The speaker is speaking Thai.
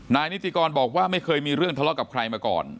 นิติกรบอกว่าไม่เคยมีเรื่องทะเลาะกับใครมาก่อน